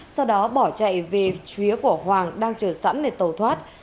sau đó bỏ chạy về chú ý của hoàng đang chờ sẵn để tàu thoát